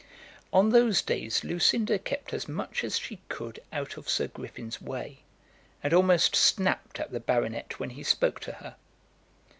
On those days Lucinda kept as much as she could out of Sir Griffin's way, and almost snapped at the baronet when he spoke to her.